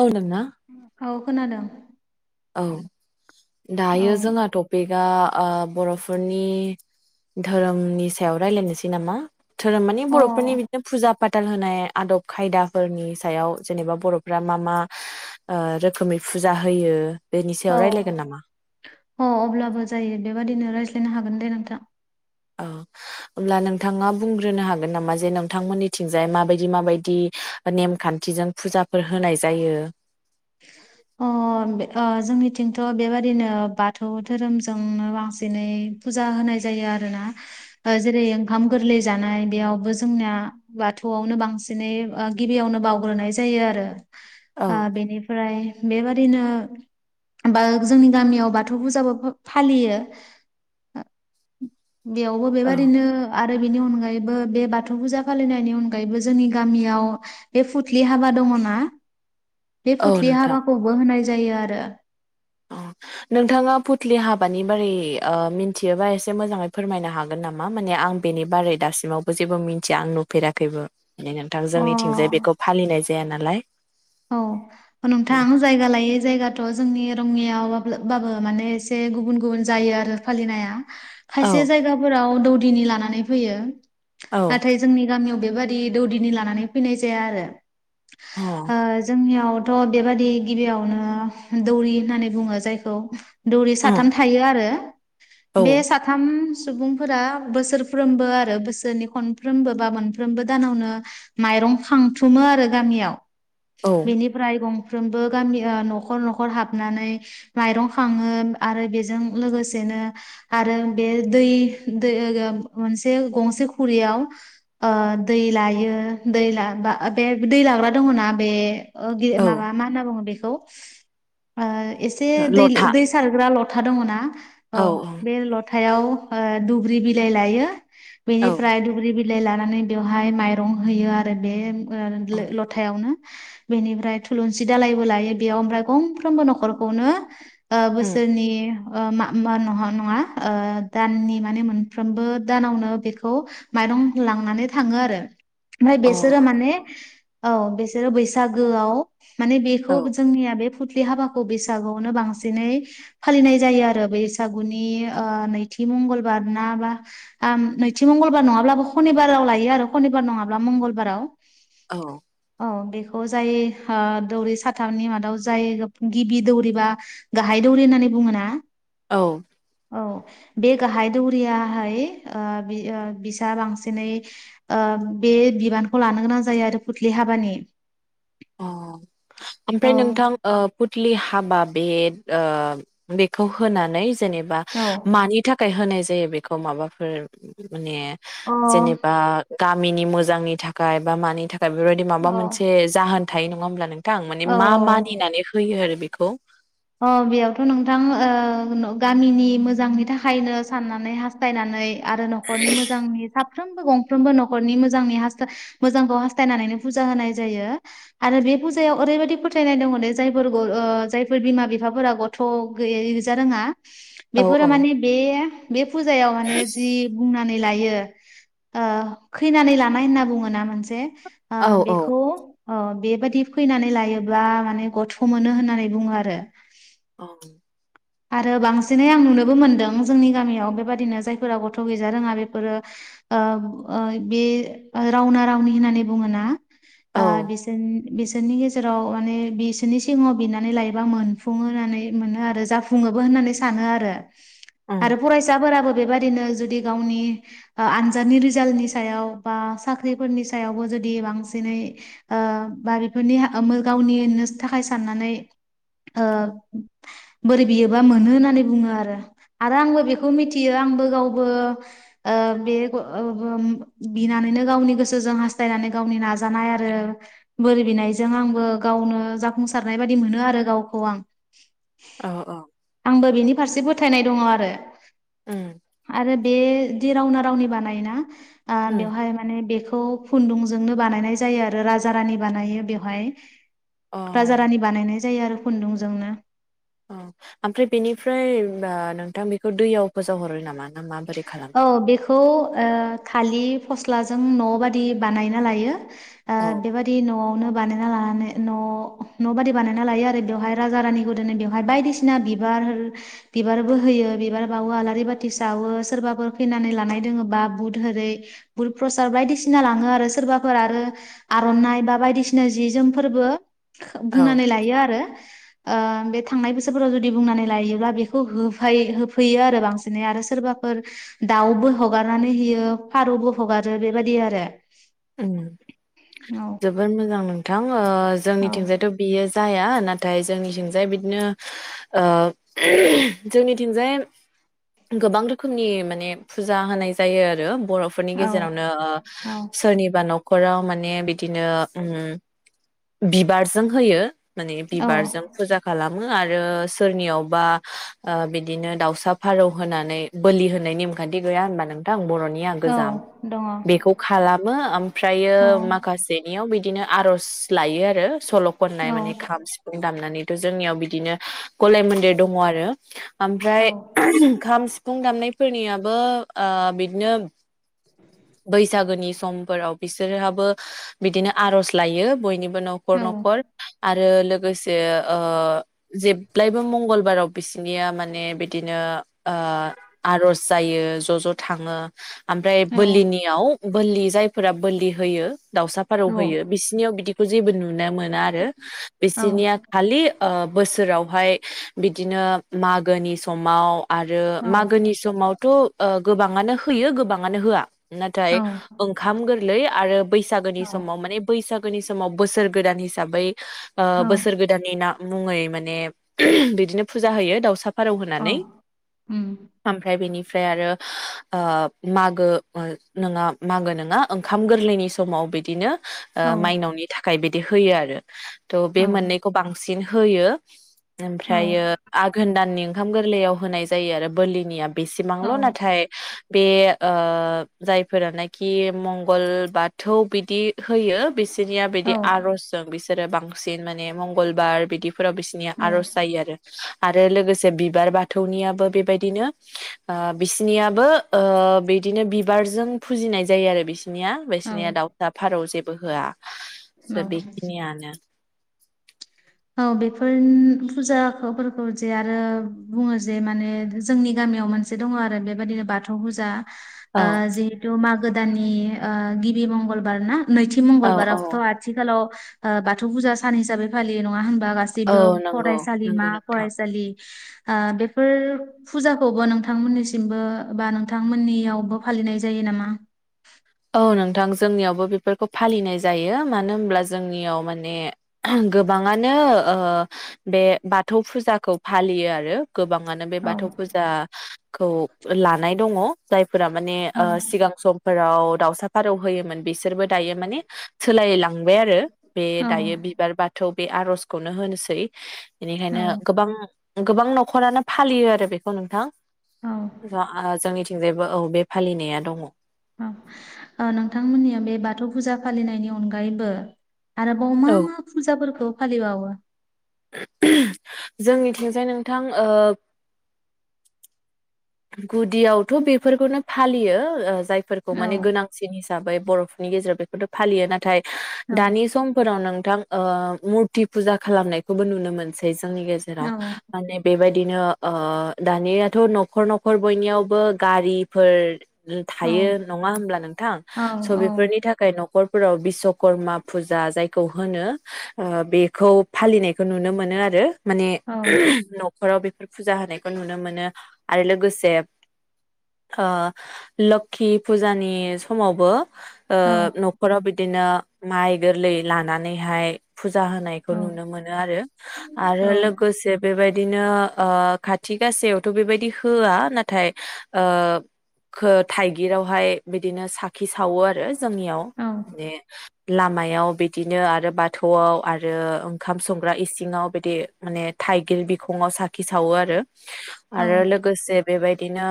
औ नोंना? औ खोनादों। औ औ दायो जोंहा टपिकआ आ बर'फोरनि धोरोमनि सायाव रायलायनोसै नामा? धोरोम मानि अ बर'फोरनि बिदिनो फुजा फाथाल होनाय आदब खायदाफोरनि सायाव जेनेबा बर'फ्रा मा मा रोखोमै फुजा होयो। बेनि सायाव औ रायलायगोन नामा? अ अब्लाबो जायो बेबादिनो रायज्ला नो हागोन दे नोंथां। औ होमब्ला नोंथाङा बुंग्रोनो हागोन नामा जे नोंथांमोननिथिंजाय माबायदि माबायदि नेमखान्थिजों फुजाफोर होनाय जायो। अ बे अ जोंनिथिंथ' बेबादिनो बाथौ धोरोमजोंनो बांसिनै फुजा होनाय जायो आरोना जेरै ओंखाम गोरलै जानाय बेयावबो जोंनिया बाथौआवनो बांसिनै गिबियावनो बावग्रोनाय जायो आरो। औ आ बेनिफ्राय रैनो बा जोंनि गामियाव बाथौ फुजाबो फा फालियो। बेयावबो औ बेबादिनो आरो बेनि अनगायै बो बे बाथौ फुजा फालिनायनि अनगायैबो जोंनि गामियाव बे फुथलि हाबा दङना? बे औ फुथलि नोंथां हाबाखौबो होनाय जायो आरो अ नोंथाङा फुथलि हाबानि बारै ओ- मिथियोबा एसे मोजाङै फोरमायनो हागोन नामा? माने आं बेनि बारै दासिमावबो जेबो मिथिया आं नुफेराखैबो। नेै नोंथां अ जोंनिथिंजाय बेखौ फालिनाय जाया नालाय, औ नोंथां जायगा लायै जायगाथ' जोंनि रङियायाव। नुवाब्लाबाबो माने एसे गुबुन गुबुन जायो आरो फालिनाया। खायसे औ जायगाफोराव दौ दिनि लानानै फैयो। औ नाथाय जोंनि, गामियाव बेबादि दौदिनि लानानै फैनाय जाया आरो। अ हो जोंनियाव थ' बेबादि गिबियावनो दौरि होननानै बुङो जायखौ, दौरि उम साथाम थायो आरो औ बे साथाम सुबुंफोरा बोसोरफ्रोमबो आरो बोसोरनि खनफ्रोमबो बा मोनफ्रोमबो दानावनो माइरं खांथुमो आरो गामियाव। औ बेनि फ्राय गं फ्रोमबो गामि ओ-नखर नखर हाबनानै माइरं खाङो आरो बेजों लोगोसेनो आरो बे दै दो-ओ-मोनसे गंसे खुरियाव ओ- दै लायो दै बे दै लाग्रा दङ ना। बे ओ- गे- औ माबा मा होनना बुङो बे, खौ ओ- एसे लथा दै-दै सारग्रा लथा खोथा दङ ना? औ बे लथ थायाव ओ- दुब्रि बिलाइ लायो। बिनि औ प्राय दब्रि बि बिलाइ लानानै बेवहाय माइरं होयो आरो बे। ओ- अ लो-लथायावनो। बेनिफ्राय थुलुंसि दालायबो लायो बेयाव ओमफ्राय गंफ्रोमबो नखरखौनो। ओ बोसोरनि मा-मा नङा ओ- दाननि माने मोनफ्रोमबो दानावनो बेखौ माइरं लांनानै थाङो आरो। ओमफ्राय अ बेसोरो औ माने। औ बे सोरो बैसागोआव, माने बेखौ जोंनिया बेथ लि हाबाखौ बैसागुआवनो बांसिनै फालिनाय जायो आरो बैसागुनि ओ-नैथि मंगलबार ना बा नैथि मंगलबार नङाब्लाबो खनिबाराव लायो आरो खनिबार नङाब्ला मंगलबाराव। औ औ बेखौ जाय ओ दौरि साथामनि मादाव जाय गिबि दौरि बा गाहाय दौरि होननानै बुङो ना। औ औ बे गाहाय दौरियाहाय ओ बि ओ बिसा बांसिनै ओ बे बिबानखौ लानो गोनां जायो आरो फुथलि हाबानि। अ औ ओमफ्राय नोंथां ओ फुथ लि हाबा बे ओ बेखौ होनानै। जेनेबा औ मानि थाखाय होनाय। जायो बेखौ माबाफोर। माने अ औ जेनेबा गाब मिनि मोजांनि थाखाय बा मानि थाखाय। दा बेफोरबायदि माबा मोनसे जाहोन। थायो नङा होनोमब्ला नों थां माने औ मा मानिनानै होयो आरो बे खौ अ बेयावथ' नोंथां ओ गामिनि मोजांनि थाखायनो साननानै हास्थायनानै आरो न'खरनि मोजांनि थाख फ्रामबो गंफ्रोमबो न'खरनि मोजांखौ हास्नानै फुजा होनाय जायो आरो बे फुजायाव ओरैबायदि फोथायनाय दङ दे जायफोरबो ओ जाय फोर बिमा बिफाफोरा गथ' गैजा रोङा औ बेफुरा माने बे बे फुजायाव माने जि बुंना नानै लायो ओ खैनानै लानाय होनना बुङो ना मोनसे ओ औ औ बेखौ अ बेबायादि फैनानै लायोब्ला माने गथ' मोनो होननानै बुङो आ रो औ आरो बांसिनै आं नुनोबो मोनदों जोंनि गामियाव बेबादिनो जायफोरा गथ' गैजा रोङा बेफोरो ओ ओ बे रावना रावनि होननानै बुङोना आ बेसोर बिसोरनि गेजेराव माने बिसोरनि सिगाङाव बिनानै लायोबा मोनफुङो होननानै मोनो आरो जाफु फुङोबो होननानै सानो आरो औ आरो फरायसाफोराबो बेबादिनो जुदि गावनि ओ आनजादनि रिजालनि सायाव बा साख्रिफोरनि सायावबो जुदि बांसिनै ओ बारिफोर ओमोल गावनि नोज थाखाय साननानै ओ बोरै बियोबा मोनो होननानै बुङो आरो आरो आंबो बेखौ मिथियो आंबो गावबो ओ बे ओ गोम बिनानैनो गावनि गोसोजों हास्थायनानै गावनि नाजानाय आरो बोर बिनायजों आंबो गावनो जाफुंसारनाय बायदि मोनो आरो गावखौ आं औ औ आंबो बिनि फारसे फो फोथायनाय दङ आरो उम बे दि रावना रावनि बानायोना आ उम बेवहाय माने बेख खौ खुन्दुंजोंनो बानायनाय जायो आरो राजा रानि बानायो बेवहाय अ राजा रानि बानायनाय जायो आरो खुन्दुंजोंनो ओं आमफ्राय बेनिफ्राय आ नोंथां बेखौ दैयाव फोजावहरो नामा? ना माबोरै खालामो औ बेखौ ओ खालि फस्लाजों न' बादि बानायना लायो ओ औ बेबादि न'आवनो बानायना लानानै न' न' बादि बानायनानै लायो आरो बेवहाय राजा रानि गोदनो बेहाय बायदिसिना बिबार बिबारबो होयो बिबार बावो आलारि बाथि सा हावो सोरबाफोर खैनानै लानाय दोङोबा बुध होरै बुध प्रसाद बायदिसिना लाङो आरो सोरबाफोर आरो आर'नाइ बा बायदिसिना जि जोमफोरबो खो औ बुंनानै लायो आरो ओ बे थांनाय बोसोरफोराव जुदि बुंनानै लायोब्ला बेखौ होफाय होफैयो आरो बांसिनै आरो सोरबाफोर दाउबो हगारनानै होयो फारौबो हगारो बेबायदि आरो ओम औ जोबोर मोजां नों थां ओ औ जोंनिथिंजायथ' बियो जाया नाथाय जोंनिथिंजाय बिदिनो ओ जोंनिथिंजाय गोबां रोखोमनि माने फुजा होनाय जायो आरो बर'फोरनि औ गेजेरावनो औ ओ बा न'खराव माने बिदिनो ओम बिबारजों होयो माने औ बिबारजों फुजा खालाम मो आरो सोरनियावबा ओ बिदिनो दाउसा फारौ होनानै बोलि होनाय नेम खान्थि गैया होनबा नोंथांं बर' निया औ गोजाम दङ बेखौ खालामो आमफ्रायो औ माखासेनियाव बिदिनो आर'ज लायो आरो सल' खननाय औ माने खाम सिफुं दामनानै थ' जोंनियाव बिदिनो गलाय मोन्देर दङ आरो ओमफ्राय खाम सिफ शफुं दामनायफोरनियाबो ओ बिदिनो बैसागोनि समफोराव बिसोरहाबो बिदिनो आर'ज लायो बयनिब बो न'खर औ न'खर आथ रो लोगोसे ओ जेब्लायबो मंगलबाराव बिसिनिया माने बिदिनो आ आर'ज जायो ज' ज' आमफा औ बोलिनियाव बोलि जायफोरा बोलि होयो। दाउसा फारौ औ होयो बिसिनियाव बिदि जेबो नु नो मोना आरो बिसिनिया खालि ओ बोसोरावहाय बिदिनो मागोनि समाव आरो मागोनि औ समावथ' ओ गोबाङानो होयो गोबाङानो होआ। नाथाय ओंखाम गोरलै आरो बैसागोनि समाव माने बैसागो गोनि समाव बोसोर गोदान हिसाबै ओ औ बोसोर गोदाननि ना मुङै माने बिदिनो फुजा होयो दाउसा फारौ औ होनानै उम ओमफ्राय बेनि ओमफ्राय आरो ओ मागो मो नोङा मागो नङा ओंखाम गोरलैनि समाव बिदिनो ओ औ माइनावनि थाखाय बि दि होयो आरो। थ' बे औ मोननैखौ बांसिन बिदिनो होयो। औ ओमफ्रायो आघोन दाननि ओंखाम गोरलैयाव होनाय जायो आरो बोलिनिया बेसिबांल' नाथाय औ बे ओ। जायफोरनाखि मंगल बाथौ बिदि होयो। बिसोरनिया बिदि आर'जजों बिसो सोरो बांसिन माने मंगलबार बिदि फोराव बिसोरनिया आर'ज जायो आरो। आरो लोगोसे बिबार बा थौनियाबो बेबायदिनो ओ बिसिनियाबो ओ बिदिनो बि बारजों फुजिनाय जायो आरो बि बिसिनिया औ बिसिनिया दावसा फारौ जे बो होआ। औ सो बेखिनियानो। औ बेफोर फुजाफोरखौ जे आरो बुङो जे माने जोंनि गामियाव मोनसे दङ आरो बेबादिनो बाथौ फुजा। औ ओ जिहेथु मा गोदाननि ओ गिबि मंगलबार ना? नैथि औ औ मंगलबारावबोथ' आथिखालाव ओ बाथौ फुजा सान हिसाबै फालि यो नङा होनबा बा औ गासैबो नंगौ नंगौ फरायसालिमा नोंथां फरायसालि ओ बेफोर फुजाखौबो नोंथांमोननिसिमबो बा नोंथांमोननियावबो फालिनाय जायो नामा? औ नोंथां जोंनियावबो बेफोरखौ फालिनाय जायो मानो होमब्ला जोंनियाव माने गोबाङानो ओ बे बाथौ फुजाखौ फालियो आरो गोबाङानो बे औ बाथौ फुजाखौ लानाय दङ। जाय फोरा माने ओ सिगां समफोराव दावसा फारौ होयोमोन बि सोरबो दायो माने सोलायलांबाय आरो बे औ दायो बिबार बाथौ बे आर'जखौनो होनोसै बेनिखायनो औ गोबां गोबां न'खरानो फालियो आरो बेखौ नोंथां। औ जोहा जोंनिथिं थिंजायबो औ बे फालिनाया दङ। औ ओ नोंथांमोननिया बे बाथौ फुजा फालिनायनि अनगायैबो आरोबाव मा औ मा फुजाफोरखौ फालिबावो? जोंनिथिंजाय नोंथां ओ गुदियावथ' बेफ फोरफोरखौनो फालियो जायफोरखौ औ माने गोनांसिन हिसाबै बर'फोरनि गेजेराव बेखौथ फालियो नाथाय औ दानि समफोराव नों थां ओ मुरथि फुजा खालामनायखौबो नुनो मोनसै। जोंनि औ गेजेराव माने बेबायद दिनो ओ दानियाथ' न'खर न'ख खर बयनियावबो गारिफोर गो औ थायो नङा होमब्ला नोंथां औ स' बेफोरनि थाखाय खरफोराव बिशवकर्मा फुजा जायखौ होनो बेखौ फालिनायखौ नुनो मोनो आरो माने औ न'खराव बेफ फुजा होनायखौ नुनो मोनो आरो लोगोस जे ओ लोखि फुजानि समावबो ओ औ न'खराव बिद बिदिनो माइ गोरलै लानानैहाय फुजा होनायखौ औ नुनो मोनो आरो आरो लोगोसे बेबायदि बिदिनो ओ खाथि गसेयावथ' बेबायदि होआ। नाथाय ओ खो थाइगिरावहाय बिदिनो साखि सावो आरो। जोंनियाव औ माने लामायाव बिदिनो आरो बाथौआव आरो ओंखाम संग्रा इसिङाव बिदि माने थाइगिर बिखङाव साखि सावो आरो। औ आरो लोगोसे बेबायदिनो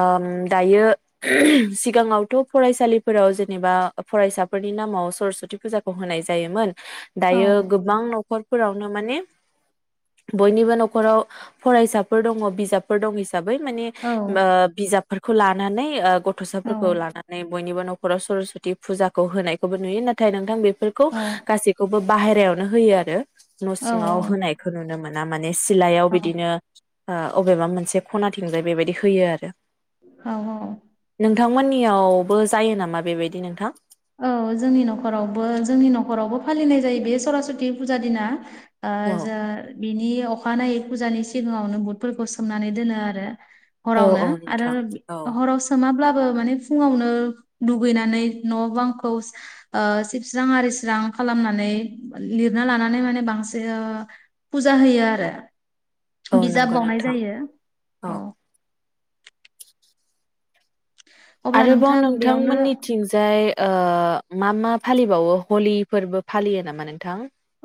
ओम दायो [unintelligible] सिगाङावथ' फरायसालिफोराव जेनेबा फरायसाफोरनि नामाव सरासति फुजाखौ होनाय जायोमोन। औ दायो गोबां न'खर फोरावनो माने बयनिबो न'खराव फरायसाफोर दङ बिजाबफोर दं एस बै मान औ ओ बिजाब फोरखौ लानानै ओ गथ औ गथ'साफोरखौ लानानै बयनिबो न'ख खराव सरासति फुजाखौ होनायखौबो नुयो नाथाय नोंथां बेफोरखौ गासैखौबो बाहेरायावनो होयो आरो। न' सिङाव औ होनायखौ नुनो मोन नामोन माने सिलायाव बिदिनो ओ अबेबा मोनसे खनाथिंजाय बेबायदि होयो आरो। औ औ। नोंथांमोननियावबो जायो नामा बेबायदि नोंथां? औ जोंनि नखरावबो जोंनि न'खरावबो फालिनाय जायो बे सरासति फुजा दिना। ओ औ जार। बिनि अखानायै फुजानि सिगाङावनो बुटफोरखौ सोमनानै दोनो आरो। औ हरावनो औ आरो नोंथां औ हराव सोमा अब्लाबो माने फुङावनो दुगैनानै न' बांखौ ओ सिबस्रां आरिस्रां खालामनानै लिरना लानानै माने बांसिन ओ फुजा होयो आरो। औ बिजाब नंगौ बावनाय नोंथां जायो औ। अब्ला आरोबाव नोंथां बेयावनो नोंथांमोननिथिंजाय ओ ओ मा मा फालिबावो हलि फोरबो फालियो नामा नोंथां?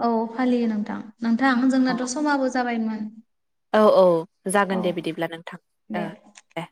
औ फालियो नोंथां। नोंथां औ जोंनाथ' समाबो जाबायमोन। औ औ औ जागोन दे बिदिब्ला नोंथां ओ दे।